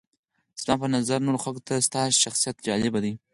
زما په نظر نورو خلکو ته ستا شخصیت جالبه دی.